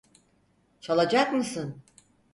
Çalacak mısın?